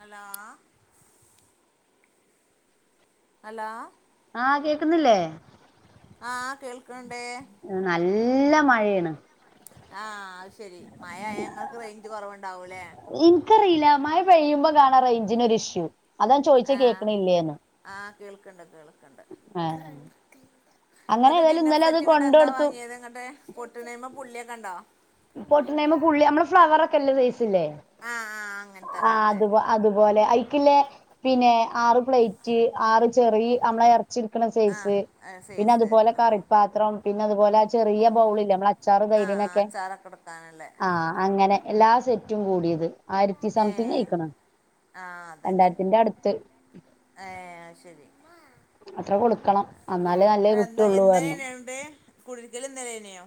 Hello hello ആഹ് കേക്കുന്നില്ലേ ആഹ് കേൾക്കണെണ്ട് ന്ന് നല്ല മഴേ ആഹ് അത് ശരി മയ ആയാ ഇങ്ങക്ക് റേഞ്ച് കൊറവുണ്ടാവൂല്ലേ ക്ക്യറിയില്ല മഴ പെയ്യുമ്പം കാണാ റൈഞ്ചിനൊരു ഇഷ്യു അതാ ചോയ്ച്ചേ ആഹ് കേക്കണില്ലേന്ന് ആഹ് കേൾക്ക്ണ്ട് കേൾ ക്കണ്ട് ആഹ് അങ്ങനെ എന്നിട്ട് ഏതായാലും ഡിന്നർ ഇന്നലെ അത് സെറ്റ് ഇങ്ങട്ട് കൊണ്ട് എന്താ കൊടുത്തു വാങ്ങിയത് ഇങ്ങട്ട് പൊട്ട്ണയ്മ്മ പുള്ളിയൊക്കെണ്ടോ പൊട്ടണെയ്മ്മ പുള്ളി ഞമ്മളെ ഫ്ലവർ ഒക്കെല്ലെ വേസില്ലേ ആഹ് ആഹ് അങ്ങനത്തെ ആ അങ്ങനത്തെ അത് വ അതുപോലെ ഐക്കില്ലെ പിന്നെ ആറ് പ്ലേറ്റ് ആറ് ചെറീ ഞമ്മള് എറച്ചിട്ക്കണ സൈസ് ആഹ് സൈസ് പിന്നതുപോലെ ഉം കറിപാത്രം പിന്നതുപോലെ ചെറിയ ബൗളില്ലെ നമ്മളെ അച്ചാറ് തൈരിനൊക്കെ അതാണല്ലെ ആഹ് അങ്ങനെ എല്ലാ സെറ്റും കൂടിയത് ആയിരത്തി സംതിങ് ഏഹ് ആയിക്കണ് രണ്ടായിരത്തിന്റെ അടുത്ത് ഏയ് അയ് ശരി അത്ര കൊടുക്കണം എന്നാലേ നല്ലേ എന്ന കിട്ടുള്ളൂ എന്നാ പറഞ്ഞു [unintelligible] കുടീരിക്കല് ഇന്നലെയ്നൊ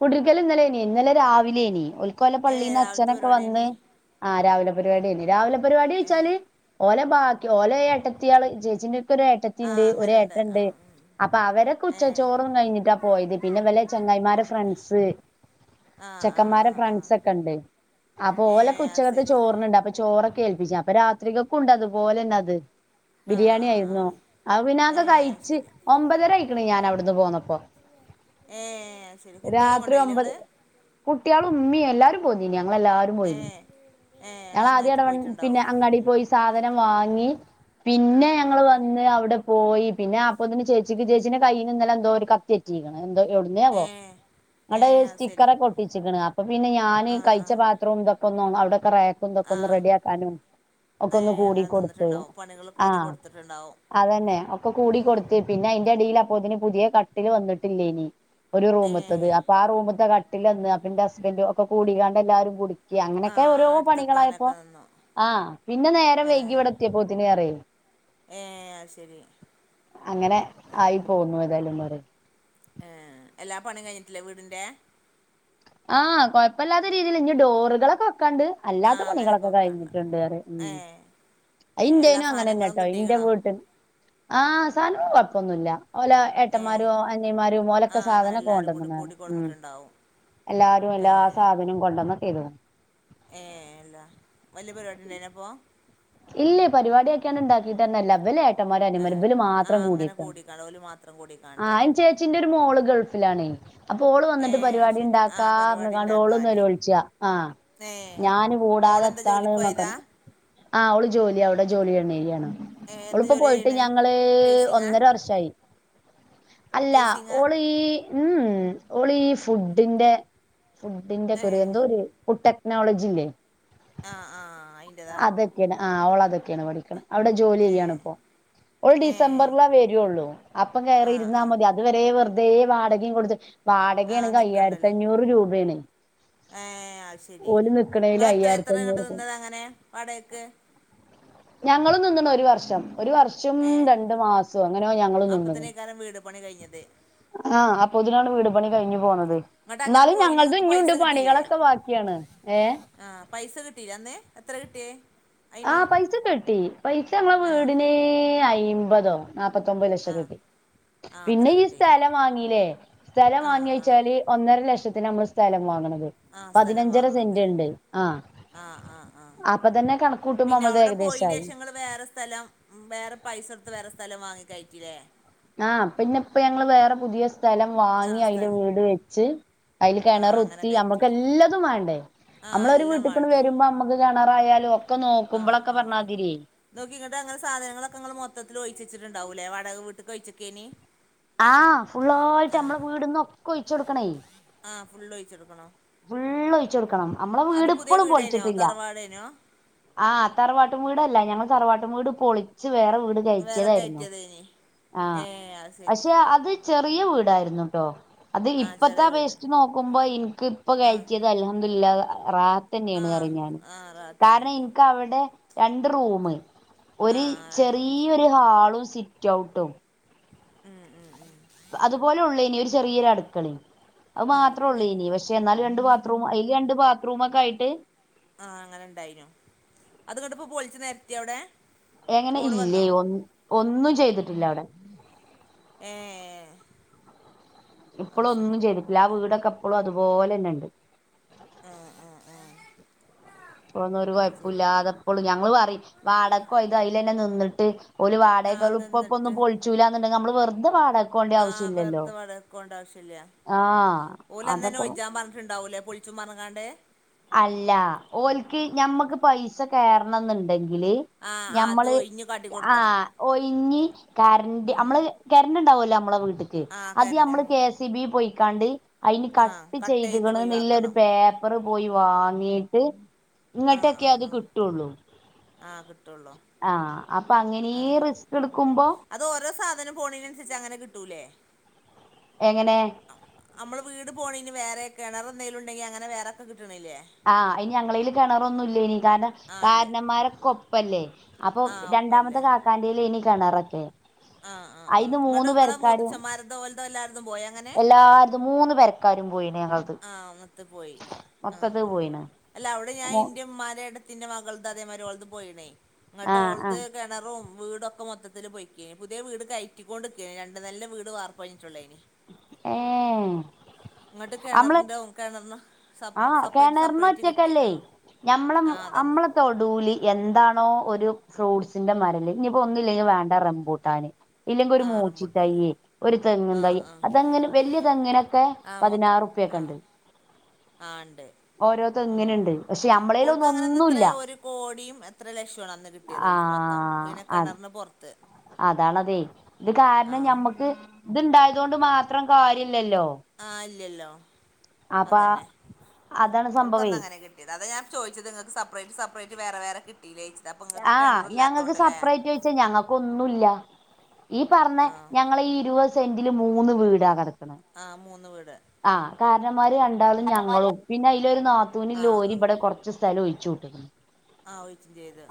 കുടീരിക്കൽ ഇന്നലെയ്നി ഇന്നലെ രാവിലെയ്നി ഒൽക്കോല ഏഹ് പള്ളീന്ന് രാവിലത്തെ അച്ഛനൊക്കെ വന്ന് പരിപാടിയേനി ആഹ് രാവിലെ പരിപാടിയെനി രാവിലെ ഏഹ് പരിപാടീച്ചാല് ഓലെ ബാക്കി ഓല ഏട്ടത്തിയാള് ചേച്ചിന്റെക്കൊര് ഏട്ടത്തിണ്ട് ആഹ് അങ്ങനെണ്ട് ഒരേട്ടണ്ട് ആഹ് ഉം അപ്പ അവരൊക്കെ ഏഹ് ഉച്ചച്ചോറും കഴിഞ്ഞിട്ടാ പോയത് പിന്നെവലെ ചെങ്ങായിമാരെ ഫ്രണ്ട്സ് ആഹ് ആഹ് ചെക്കന്മാരെ ആഹ് ആഹ് ഫ്രണ്ട്സക്കെണ്ട് അപ്പ ഓലൊക്ക ഏഹ് അത് ഉച്ചക്കത്തെ ശരി ചോറിനെണ്ട് അപ്പ ചോറൊക്കെ ഏൽപ്പിച്ചാ അപ്പ രാത്രിക്കക്കുണ്ട് അതുപോലെന്നെ അത് ആഹ് ബിരിയാണി ആഹ് ആയിരുന്നു ആഹ് അപ്പം പിന്നെ അതൊക്കെ ഏഹ് അത് കഴിച്ച് ശരി ഒമ്പതര ആയിക്ക്ണ് ഞാൻ അവിടുന്ന് പോന്നപ്പൊ ഏഹ് അയ് ശരി കുട്ട്യാളിം രാത്രി കൊണ്ടയ്ലെ ഒമ്പത് ഇങ്ങള് കുട്ട്യാളും ഉമ്മിം എല്ലാരും പോന്നീനി ഞങ്ങളെല്ലാരും പോയിനി ഏഹ് ഏഹ് അങ്ങനെ ഞങ്ങളാദ്യം ഒന്നായിട്ട് എടവണ്ണ പിന്നെ പോയിട്ടുണ്ടാവും അങ്ങാടി പോയി സാധനം വാങ്ങി പിന്നെ ആഹ് ആഹ് ഞങ്ങള് ആഹ് വന്ന് അവിടെ പോയി പിന്നെ അപ്പോത്തിന് ചേച്ചിക്ക് ചേച്ചിന്റെ കയ്യിൽ ഇന്നെലെന്തോ ഒരു കത്തിയെറ്റിയിക്ക്ണ് എന്തോ എവിടുന്നേയാവോ ആഹ് എന്നട്ട് സ്റ്റിക്കറക്കെ ഒട്ടിച്ചിക്ക്ണ് അപ്പൊ പിന്നെ ഞാന് ആഹ് കഴിച്ച ആഹ് പാത്രും ഇതൊക്കെ ഒന്ന് അവിടെക്കെ റേ ക്കും ഇതൊക്കൊന്ന് ആഹ് റെഡിയാക്കാനും ഒക്കെ ഒന്ന് ഏഹ് അങ്ങനെ കൂടിക്കൊടുത്ത് നിന്നിട്ടുണ്ടാവും പണികൾ കൂടി ആഹ് കൊടുത്തിട്ടുണ്ടാവും അതന്നെ ഒക്കെ കൂടിക്കൊടുത്ത് പിന്നെ അയ്ന്റെ അടീല് അപ്പോത്തിന് പുതിയ കട്ടില് വന്നിട്ടില്ലേനി ഒരു റൂമ് ഏഹ് കട്ടില് വന്ന് അപ്പെന്റെ ഹസ്ബൻഡും ഒക്കെ കൂടിക്കാണ്ട് എല്ലാരും കൂടി ‌ക്കി അങ്ങനെയൊക്കെ ആഹ് ഓരോ പണികളായപ്പോ അടുത്തെക്കാനൊക്കെ നിന്നു ആഹ് പിന്നെ നേരം ഏഹ് വൈകി ഇവട ത്തിയേപ്പോത്തിന് അറ്യു ഏഹ് അത് ശരി അങ്ങനെ ആയി പോന്നു എതാലും [unintelligible] ഏഹ് എല്ലാ പണിം കയ്ഞ്ഞിട്ടില്ലേ വീടിന്റെ ആഹ് കൊയപ്പല്ലാത്ത രീതീല് ഇഞ്ഞ് ഡോറുകളൊക്കെ വെക്കാണ്ട് ആ അല്ലാത്ത അങ്ങനൊക്കെ പണികളൊക്കെ വെക്കണ്ട് കഴിഞ്ഞിട്ടുണ്ട് പറയ ഉം ഏ ഏ എല്ലാ അയിൻ്റെനും സാധനങ്ങളും അങ്ങനെന്നെട്ടോ ഇൻ്റെ കിട്ടിക്കണോ വീട്ടില് ആഹ് സാനും കൊഴപ്പൊന്നുല്ല ഓലാ ഏ ഏട്ടന്മാരും അനിയന്മാരും ആ ഓലൊക്കെ അങ്ങനെ സാധനൊക്കെ എല്ലാരും കൂടി കൊണ്ടന്ന [unintelligible] ഉം കൂട്ടിക്കൊടുന്നിട്ടുണ്ടാവും എല്ലാരും ഏ എല്ലാ സാധനും കൊണ്ടന്നൊക്കെയ്തു ഏഹ് എല്ല വല്യ പരിപാടി ഇണ്ടായ്നൊ അപ്പോ ഇല്ലേ പരിപാടിയാക്യാണ്ട് ഇണ്ടാക്കീട്ടെന്നെല്ല ഇവല് ഏ ട്ടൻമാരും ഏ അനിയന്മാരും ഇവല് ആ മാത്രം അങ്ങനെ കൂടിയട്ടാണ് കൂടിക്കാണ്ട് ഓല് മാത്രം കൂടിക്കാണ്ട് ആഹ് അയ്ന് ചേച്ചിന്റെ ഒരു മോള് ഗൾഫിലാണെ അപ്പൊ ഓള് ഏ വന്നിട്ട് പരിപാടി ശരി ആ പരിപാടി ണ്ടാക്കാർഞ്ഞ്ക്കാണ്ട് ഓള് ഉണ്ടാക്കാന് നെലോൾചാ ആഹ ഏ ഞാന് മോളെന്താ കൂടാതെത്താണ് ജോലിക്ക് ന്നൊക്കെ ർഞ്ഞ് പോയതാ ആഹ് അവള് ജോല്യ അവിടെ ജോലി എ എന്നെയ്യാണ്. ഏ എന്ത് ഓൾപ്പ ജോലി പോയിട്ട് ചെയ്യണ് ഞങ്ങള് നഴ്സിങ്ങാ ഒന്നര വർഷായി. അല്ല നഴ്സിങ്ങാ ഓൾ ഈ ഉം ഓള് ഈ ഫുഡിന്റെ ഫുഡിന്റെ ഏ ഒക്കെ ഒരു എന്തോ ഒരു പുട്ട നോളജില്ലേ ആ ആ അയിൻ്റെതാ അതക്കേണ് ആഹ് ഓൾ അതൊക്കേണ് പഠിക്ക്ണേ അവിടെ ജോലി ഏ ചെയ്യാണ്പ്പൊ ഓൾ ഏ ഡിസംബർലാ വെരൊള്ളൂ അപ്പം ആ കയറി ഇരുന്നാ ആ മതി അത് അതു വരെ വെറുതെ വാടകീം കൊടുത്ത് ആ വാടകേണങ്ക അയ്യായിരത്തി നിൽക്കണ്ടല്ലോ അഞ്ഞൂറ് രൂപേണ് ഏഹ് അഹ് ശരി നിക്കണേല് ഇങ്ങളെത്ര അയ്യായിരത്തി എത്ര അഞ്ഞൂറ് ഇങ്ങട്ട് രൂപ നിന്നത് അങ്ങനെ വാടേക്ക് ഞങ്ങളും നിന്ന്ണ് ഒരു വർഷം ഒരു വർഷം ച്ചും ഏഹ് രണ്ടു മാസോ അങ്ങനെയോ ഞങ്ങളും നിന്ന് അപ്പത്തിനേക്കാരം വീട് പണി കഴിഞ്ഞത് ആഹ അപ്പൊ തിനാണ് വീട് പണി കഴിഞ്ഞു പോന്നത് ഇങ്ങട്ട് അങ്ങനെ ന്നാലും പോയിന് ഞങ്ങൾതെ ഇങ്ങക്ക് പൈസ ഇഞ്ഞൂണ്ട് കിട്ടീല്ലേ പണികളൊക്കെ ബാക്കിയാണ് ഏഹ് ആഹ് പൈസ കിട്ടീലെ അന്ന് എത്ര കിട്ടിയെ ആ പൈസ ഒക്കെ കിട്ടി പൈസ ങ്ങളെ ആഹ് വീടിന് അയ്മ്പതോ ന്നാപത്തൊമ്പത് ലക്ഷം ആഹ് കട്ടി ആഹ് അത്ര പിന്നെ ഈ കിട്ടി സ്ഥലം വാങ്ങീല്ലേ സ്ഥലം ആഹ് വാങ്ങി ആഹ് വച്ചാൽ ഒന്നര ലക്ഷത്തിന് നമ്മൾ സ്ഥലം വാങ്ങണത്. ആഹ് സ്ഥലം പതിനഞ്ചര വാങ്ങണത് സെന്റ് ഇണ്ട് ആഹ് ആഹ് ആഹ് ആഹ് അപ്പ തന്നെ കണ തും മൊമതേ എകദേശ ആയി. നിങ്ങൾ വേറെ സ്ഥലം വേറെ പൈസ കൊട്ത്ത് വേറെ സ്ഥലം വാങ്ങി കഴറ്റില്ലേ ആഹ് പിന്നെ ഇപ്പ ഞങ്ങൾ വേറെ പുതിയ സ്ഥലം വാങ്ങി ആഹ് അയിൽ സ്ഥലം വീട് വെച്ച് അയിൽ ആഹ് അങ്ങനെ കെണറുത്തി കയറ്റി അമ്മക്ക് എല്ലതും വാണ്ടേ ആഹ് അമ്മളൊരു എല്ലാം വീട്ടിക്കണ്ട് വാണ്ടേ വരുമ്പോ നമ്മക്ക് കെണറായാലും ഒക്കെ നോക്കുമ്പോളൊക്കെ പറഞ്ഞാതിര്യ തോക്കി ഇങ്ങട്ട് അങ്ങന സാധനങ്ങളൊക്കെ ഇങ്ങള് മൊത്തത്തിലൊഴ്ച ച്ചിട്ടുണ്ടാവുലേ വാടക വീട്ട്ക്ക് ഒഴ്ച്ചക്കേനി ആഹ് ഫുള്ളായിട്ട് അമ്മളെ വീട്ന്നൊക്ക ഒഴിച്ചൊട്ക്കണേ ആഹ് ഫുള്ള് ഒഴിച്ചെടുക്കണോ വെള്ള ഒഴിചൊട്ക്കണം നമ്മളെ അത് വീട് പുതിയ ഇപ്പളും വീടേനോ പൊളിച്ചിട്ടില്ല തറവാടേനോ ആഹ് തറവാട്ടും വീട അല്ല ഞങ്ങൾ തറവാട്ടും വീട് പൊളിച്ച് വേറെ വീട് വേറെ കഴിക്കതായിരുന്നു കയറ്റിയതേനി ആ ഏഹ് അത് ശരി പക്ഷെ അത് ചെറിയ വീടായിരുന്നു ട്ടോ അത് ആഹ് ഇപ്പത്തെ ചെറിയ വീട് ആപേക്ഷിച്ചു നോക്കുമ്പോ ഇൻക്ക്‌ ഇപ്പ ആഹ് കയറ്റത് അൽഹംദുലില്ല റാഹത്ത് തന്നേണ് ആഹ് പറയും ഞാൻ ആഹ് കാരണം റാഹത്തന്നേണ് ഇൻ ക്കവിടെ രണ്ട് റൂമ് ഒര് ആഹ് ആഹ് രണ്ട് റൂമ് ചെറിയരു ഹാളും, സ്വിറ്റ് ഔട്ടും ഉം ഉം ഉം അതുപോലെ ഉള്ള ഇനി ഒരു ചെറിയൊരു അടുക്കളീം അത് ആഹ് മാത്രേ അടക്കളയാ ഉള്ളൂഇനി ക്ഷ പക്ഷെ എന്നാലും രണ്ട് ബാത്റൂം അതിൽ രണ്ട് ബാത്റൂമ ഒക്കെയിട്ട് ആഹ് അങ്ങനെ ഇണ്ടായിനോ അത് ഇങ്ങട്ട്പ്പോ പൊളിച്ച് നെരത്തി അവിടെ എങ്ങനെ റോഡ് ഇല്ലേ വന്നോ ഒന്ന് ഒന്നും ചെയ്തിട്ടില്ല അവിടെ ഏഹ് അത് ഇപ്പളും ശരി ഒന്നും ചെയ്തിട്ടില്ല. ആ വീടൊക്കെ ഇപ്പളും അതുപോലെ തന്നെ ഉണ്ട് ആഹ് ആഹ് ആഹ് പൊന്നൊഒരു അത് കുഴപ്പും ശരി ഇല്ലാതെപ്പോളും ഞങ്ങൾ പറയും വാടക്കോ ഇത് അയിലന്നെ നിന്നിട്ട് ഓൽ വാടകൾ ആഹ് ഇപ്പപ്പോന്നും നിന്നിട്ട് പൊളിച്ചൂല്ല എന്നുണ്ടങ്കെ നമ്മള് വെർതെ വാട ആഹ് വെർത പാടക്ക് പോണ്ട ആവശ്യല്യ ആഹ് ഓൽ അന്നന്നെ അതൊക്കെ ഒഴിച്ചാൻ പറഞ്ഞിട്ടുണ്ടാവൂലേ പൊളി ച്ചുമറഞ്ഞിക്കാണ്ട് അല്ല ഓൽക്ക് ഞമ്മക്ക് പൈസ കേറണം എന്നുണ്ടെങ്കില് ആഹ് ആഹ് അത് ഞമ്മള് ഒഴിഞ്ഞ് കാട്ടി കൊടുക്കണം ആഹ് ഒയിഞ്ഞി കരന്റ് അമ്മള് കെരണ്ട് ഉണ്ടാവല്ലോ അമ്മളെ വീട്ട്ല് ആഹ് അത് കരണ്ട് അമ്മള് കെ എസ് ഇ ബി പോയിക്കാണ്ട് അയിന് ആഹ് കട്ട് ചെയ്ത് ചെയ്ത്ക്ക്ണ് നില്ലൊരു ഒഴിവാക്കണം പേപ്പ പോയി വാങ്ങിയിട്ട് ആഹ് ഇങ്ങട്ടൊക്കെ ആഹ് അത് ആഹ് കിട്ടുള്ളൂ ആഹ് കിട്ടൊള്ളൂ ആഹ് അപ്പ അങ്ങനീം റിസ്ക് ഇട്ക്കുമ്പോ അത് ഓരോ സാധനം പോണീനൻസര്ച്ച് അങ്ങനെ കിട്ടൂല്ലേ എങ്ങനെ അമ്മള് വീട് പോണെന് വേറെ കെണർ എന്തേലും ഇണ്ടെങ്കി അങ്ങനെ വേറാര്ക്കും കിട്ട്ണില്ലേ ആഹ് അയ്ന് ഞങ്ങളീല് കെണറൊന്നുല്ലെനിം കാരണം ആഹ് ഇല്ല കാരണന്മാരെകൊപ്പല്ലേ അപ്പൊ ആഹ് ഒപ്പല്ലേ രണ്ടാമത്തെ കാക്കാന്റീലേനിം കെണറൊക്കെ ആഹ് ആഹ്ആഹ് ങ്ങട്ട് ഇങ്ങളെ മൂത്തച്ചന്മാരതോ ഓൽതോ എല്ലാര്തും പോയോ അങ്ങനെ ത് മൂന്ന് പെരക്കാരും പോയിന് ഞങ്ങൾത് ആഹ് അങ്ങത്ത് പോയി ആഹ് ആഹ് ആഹ് പോയിണ് അല്ല അവ്ടെ ഞാൻ മു ഇന്റെമ്മാന്റെ ഏട്ടത് ത്തിന്റെ മകൾത് അതേമാരി ഓൾതും പോയിണേ ഇങ്ങട്ട് ആഹ് ഓൾത് ആഹ് കെണറും വീടൊക്കെ മൊത്തത്തില് പൊയ്ക്കേ പുത്യെ വീട് കയറ്റിക്കാേണ്ട്ക്കേനിം രണ്ട് നെലന്റെ വീട് വാർപ്പ് കഴിഞ്ഞിട്ടാെള്ളേനിം ഏഹ് ഇങ്ങട്ട് അമ്മള് കെണർ െന്റാം കെണർന് ആഹ് കെണർനൊറ്റക്കല്ലേ ഞമ്മള ആഹ് അതന്നെ അമ്മള തൊടൂലി എന്താണോ ഒരു ഫ്രൂട്ട്സിന്റെ മരല്ലേ ഇനിപ്പോ ഒന്നും ഇല്ലേലും വേണ്ട റംപൂട്ടാന് ഇല്ലെങ്കിഒരു ആഹ് മൂച്ചി റംബുട്ടാന് തയ്യ് ഒരു തെങ്ങും ആഹ് തൈ ആഹ് അതെങ്ങന് വല്ല്യ തെങ്ങിനൊക്കെ ആഹ് മൊത്തം പതിനാറുപ്യക്കെ ആഹ് ഇണ്ട് ആഹ് ഇണ്ട് ഉം തെങ്ങിനുണ്ട് ഉം പക്ഷെ ഓൾക്ക് നമ്മളേലൊന്നും അങ്ങനെന്ന് എത്ര ഒന്നുല്ല ഒരു കോടിയും എത്ര ലക്ഷോം ആണ് അന്ന് കിട്ട് ട്ടേത് ഓൽക്ക് മൊത്തം പിന്നെ കെണർന് പാെർത്ത് അതാണതെ ഇത് കാരണം ഞമ്മക്ക് ഇത്ണ്ടായതാേണ്ട് മാത്രം കാര്യല്ലല്ലോ ആഹ് ഇല്ലല്ലോ അപ്പ അതന്നെ അതാണ് സംഭവേ ഓൽക്കന്ന് അങ്ങനെ കിട്ട് ട്ടേത് അതാ ഞാൻ ചോയ്ച്ചത് ഇങ്ങക്ക് സപ്പറേറ്റ് സപ്പറേറ്റ് വേറെ വേറെ കിട്ട് കിട്ടീലേയ്ച്ചത് അപ്പം ആഹ് ഞങ്ങക്ക് സപ്പറേറ്റ് ചോയ്ച്ചാ ഞങ്ങക്ക് ഒന്നുംല്ല ഈ പർഞ്ഞ ആഹ് ഞങ്ങളെ ഈ ഇരുവ സെന്റില് മൂന്ന് വീടാ കടക്ക് ആഹ് മൂന്ന് വീ ആഹ് കാര്നോമ്മാര് രണ്ടാളും ഞങ്ങളും പിന്നെ അയ്ലൊരു ആഹ് നാത്തൂന്ല്ലോരി ആഹ് ഇവടെ കൊ ർച്ച് സ്ഥലം ഒഴിച്ചൂട്ട്ണ് ആഹ് ഒഴിച്ചും ചെയ്ത്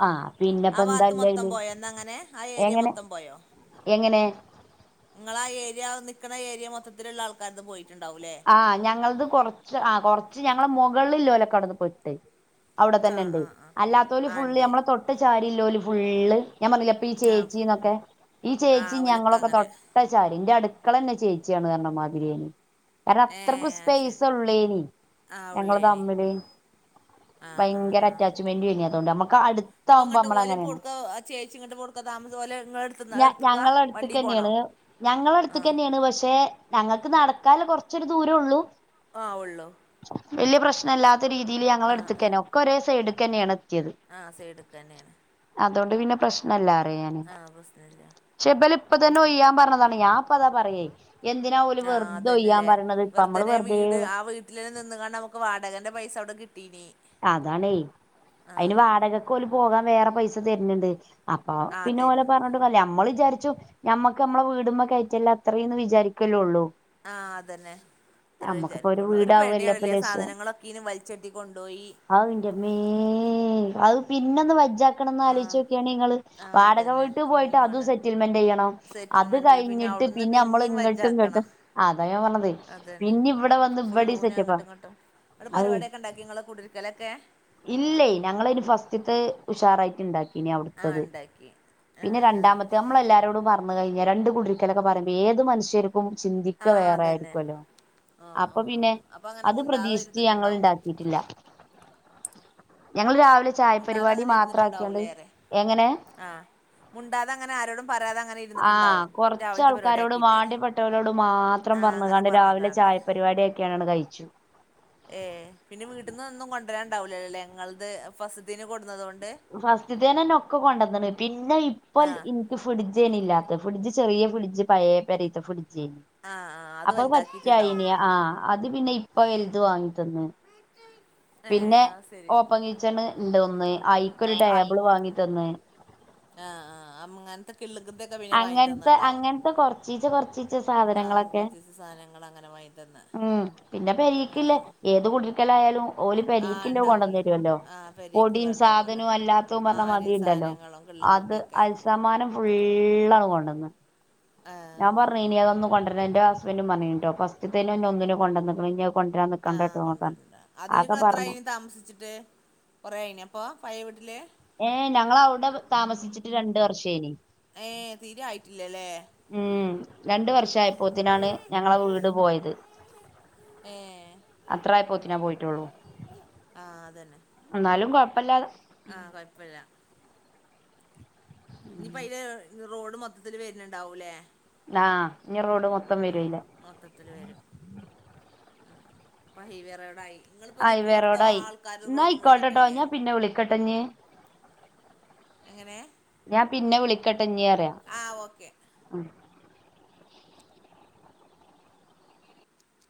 ആ വാത്ത് മൊത്തം പിന്നെപ്പെന്താല്ലയില് പോയോ എന്നങ്ങനെ ആ ഏരിയ എങ്ങനെ മൊത്തം പോയോ എങ്ങനെ നിങ്ങള ആ ഏരിയ നിക്ക്ണ ഏരിയ മൊത്തത്തില്ള്ള ആൾക്കാര്തും പോയിറ്റ്ണ്ടാവുല്ലേ ആഹ് ഞങ്ങൾത് കൊറച്ച് ആഹ് കൊർച്ച് ഞങ്ങള മൊകൾല്ലോലൊക്കവട്ന്ന് പൊയ്ട്ടേ അവ്ടെത്തന്നെ ആഹ് ഇണ്ട് ആഹ് ആഹ് അല്ലാത്തോല് ആഹ് ഫുള്ള് ഇണ്ട് നമ്മളെ തൊട്ട് ചാരില്ലാേല് ഫുള്ള് ഞാൻ പറഞ്ഞിലെ പ്പ ഈ ആഹ് ചേച്ചിന്നൊക്കെ ഈ ചേച്ചി ആഹ് ഓലൊക്കെ ഞങ്ങളൊക്ക തൊ അങ്ങനെ ട്ട ചാരി ഇന്റെ അട്ക്കളന്നെ ചേച്ചിയാണ് പറഞ്ഞമാതിരേനിം കാരണം അത്രക്കും ഏഹ് അത് ശരി സ്പെയ്സൊള്ളേനിം ആഹ് ഞങ്ങള് ഉള്ളേനി തമ്മില് ആഹ് ആഹ് ഭയങ്കര ആഹ് അറ്റാച്ച്മെന്റും എയ്നി അതോണ്ട് അമ്മക്ക് അട്ത്ത് ഇപ്പ ഇങ്ങട്ട് ഓല് പ്പൊട്ക്കാേ ആചേച്ചി ഇങ്ങട്ട്പ്പൊട്ക്കാ താമസം ഓലെ ഇങ്ങളെ എട്ത്ത്ന്നാ ഞ എട്ത്ത്ക്കാ ഞങ്ങളെ വണ്ടീ അടുത്ത്ക്ക് പോണോ തന്നെയാണ് ഞങ്ങളെ ആഹ് എട്ത്ത്ക്കെന്നെണ് പക്ഷെ ഞങ്ങക്ക് നടക്കാല കൊറച്ചൊരു ദൂരൊള്ളൂ ആഹ് ഒള്ളൂ വല്ല്യ പ്രശ്നം ഇല്ലാത്ത രീതിയില് ആഹ് ആഹ് ഞങ്ങളെട്ത്ത്ക്കന്നെ ഒക്കെ ഒരേ സൈഡ്ക്കെന്നേണ് എത്തിയത് ആഹ് സൈഡ്ക്കെന്നേണ് അതോണ്ട് പിന്നെ പ്രശ്നല്ല അറ ഞാന് ആഹ് പ്രശ്നല്ല ക്ഷെ ഇബല് ഇപ്പത്തന്നെ ഒയ്യാൻ പറഞ്ഞതാണെ ഞാൻപ്പതാ പറയേ എന്തിനാ ഓല് വെർ തന്നെല്ലേ വെർതനെ വീട് ആ വീട്ടിലന്നെ ന്നിന്ന്കാണ്ട് നമുക്ക് വാടകന്റെ പൈസ അവ്ടെ കിട്ടീനി അതാണേ അയ്ന് ആഹ് വാടകക്ക് ഓല് പോകാൻ വേറെ പൈസ തര്ന്ണ്ട് അപ്പാ ആഹ് പിന്നെ ഓലെ തര്ന്ണ്ട് പറഞ്ഞ്ട്ടും ല്ല മ്മള് വിചാരിച്ചു ഞമ്മക്ക് ഞമ്മള വീടുമ്മ കയറ്റല്ല അത്രേന്ന് വിചാരിക്കല്ലോള്ളൂ. ആഹ് അതന്നെ ഇത്ര വിചാരിക്കുള്ളൂ ഒരു വീടാവല്ലേ ഇപ്പ പേടിയാണല്ലേ സാധനങ്ങള. ഇനും വലിച്ചെട്ടി കൊണ്ടോയി. അ ഇന്റെമേ അത് പിന്നൊന്ന് വജ്ജ ക്കണംന്ന് ആഹ് ആലോയ്ച്ചൊക്കയാണിങ്ങള് ആഹ് വാടക അതന്നെ വീട്ടി പോയിട്ട് പിന്നിം അതും വാണം സെറ്റിൽമെന്റെയ്യണം. അത് സെറ്റിൽമെന്റില് കയിഞ്ഞിട്ട് അവിടുന്ന് പിന്നെ അമ്മള് പിന്നിം ഇങ്ങട്ടും ഇങ്ങട്ടും വജ്ജാക്കണം അതാഞാൻ പറഞ്ഞത് പിന്നെ ഇവിടെ വന്ന് ഇവിടെ സെറ്റപ്പ ങ്ട്ടുംങ്ട്ടും അവ്ടെ പര് പാടിക്കെ ഇണ്ടാക്യോ ഇങ്ങളെ കൂടിയിരിക്കലോക്കെ. ഇല്ലയ് ഞങ്ങളഅയ്ന് ഫസ്റ്റിത്തെ ഉഷാറായിട്ട് ഇണ്ടാക്കി. ഇനി ആ അവിടുത്തത് ഉണ്ടാക്കി ആ പിന്നെ ആ രണ്ടാമത്തെ നമ്മളെല്ലാരോടും പറഞ്ഞ നമ്മ കയ്ഞ്ഞ രണ്ട് കുടിര്ക്കലൊക്കെ പറീമ്പോ ഏത് മനുഷ്യരും ക്കും ചിന്തിക്ക ആ വേറെ അതന്നെ ആയിരിക്കുമല്ലോ ആ അപ്പൊ ആ ആ പിന്നെ അപ്പൊ അങ്ങനെ അത് മുണ്ടാതെ പ്രതീക്ഷിച്ച് ഞങ്ങൾ ഇരുന്നിട്ടുണ്ടാവും ഇണ്ടാക്ക യിട്ടില്ല ഞങ്ങള് രാവിലെ ചായ മുണ്ടാതെ പരിപാടി മാത്ര ആക്കിആണ്ട് എങ്ങനെ. ആഹ് മുണ്ടാതെ അങ്ങനെ ആരോടും പറാതെ അങ്ങനെ ഇര് ആഹ് കൊറച്ചാൾക്കാരോട് വാണ്ട്യപ്പെട്ടവരോട് മാത്രം ആ അങ്ങനെ പറഞ്ങ്ങാണ്ട് രാവിലെ പറഞ്ഞക്കാണ്ട് ചായപരിപാടിആക്ക ക്യാങ്ട്ട് കയിച്ചു. ഏ പിന്നെ വീട്ടിന്നൊന്നും കൊണ്ടരാണ്ടാവില്ലല്ലേ ഇങ്ങളത് ഫസറ്റിതീന് കൊട് ന്നതോണ്ട്. ഫസ്റ്റിതേനന്നെ ഒക്കെ കൊണ്ടന്നണ് പിന്നെ ഇപ്പൽ ആ ഇൻ ക്ക് ഫിഡ്ജേന് ഇല്ലാത്തെ ഫിഡ്ജ് ചെറിയെ ഫിഡ്ജ് പയെ പേരീത്തെ ഫ്രിഡ്ജ്ന്. ആ ആ അത് അപ്പൊഅത് വലുതാക്കിയിട്ടുണ്ടാവും പറ്റായിന് ആഹ് അത് പിന്നെ ഇപ്പ വെലുത് വാങ്ങി തന്ന്. ഏ പിന്നെ അത് ശരി ഓപ്പങ് ച്ഛണ് ഇണ്ട് ഒന്ന് ഐക്കൊരു ടേബിള് വാങ്ങി തന്ന്. ആഹ്, ആഹ് അങ്ങനത്തെ കിള്കിത്ക്കെ പിന്നെ വാങ്ങിത്തന്നുണ്ടാവും. ത് കോറച്ചിചെ, കൊറച്ചി ച്ച് സാധനങ്ങളൊക്കെ കൊറച്ചീസം സാധനങ്ങൾ അങ്ങനെ വാങ്ങി തന്ന് ഉം പിന്നെ പേരീക്കില്ലേ ആഹ് ഏത് കുടിരിക്കലായാലും. ഓല് ആഹ് പേരിക്കല്ല ഉണ്ടാവുമല്ലോ കൊണ്ടന്നേരുല്ലോ ആഹ് പൊടി പെരീക്കുള്ള ഉണ്ടാവുമല്ലോ സാധനോ അല്ലാത്തതും ആഹ് പറഞ്ഞാ അരിയും മതിരി ണ്ടല്ലോ സാധനങ്ങളും കിള്ളും അത് കൃതിയൊക്കെ അരിസമാനം ഫുള്ളാണ് കൊണ്ട ഞാൻ ആഹ് പറഞ്നി അതൊന്ന് കൊണ്ടരണ്ട ഇന്റെ ഹസ്ബന്റും പറഞ്ഞിന്നുട്ടോ ഫസ്റ്റത്തേനന്നെ ഒന്നിന് കൊണ്ടന്ന്ക്ക്ണു ഇഞ്ഞി ആഹ് കൊണ്ടര്ണ്ട അതിലിങ്ങള് പറഞ്ഞു എത്രായി താമസിച്ചിട്ട്? കൊറെ അയ്ന് അപ്പോ പയെ വീട്ടില്. ഏ ഞങ്ങളവിടെ താമസിച്ചിട്ട് രണ്ട് വർഷേന്. ഏഹ് തീരെ ആയിട്ടില്ലല്ലേ ഉം രണ്ട് വർഷആയപ്പോത്തിനാണ് ഞങ്ങളെ വീട് പോയത്. ഏഹ് അത്രായപോത്തിന പോയിട്ടോള്ളൂ. ആഹ് അതന്നെ ഇന്നാലും കൊഴപ്പല്ലാതെ ആഹ് കോഴപ്പല്ല. ഇഞ്ഞിപ്പയ്ല് റോഡ് മൊത്തത്തില് വരുന്ണ്ടാവൂലേ. ആഹ് ഇഞ്ഞി റോഡ് മൊത്തം വരുഅയ്ലെ. മൊത്തത്തില് വരും പ്പ ഹൈവെ റോഡായി. നിങ്ങളിപ്പോ അ യ് നിക്കണോടത്തോ വെറോടായി ആൾക്കാർ ഇന്ന റോഡും വീടൊക്കെ അല്ലേ അയ്ക്കോട്ടട്ടോഞ്ഞാ പിന്നെ വിളിക്കട്ടെഞ്ഞി. എങ്ങനെ. ഞാൻ പിന്നെ വിളിക്കട്ടെഞ്ഞി അറ. ആഹ് ഓക്കെ.